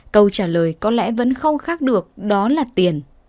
câu trả lời có lẽ vẫn không khác được đó là tiền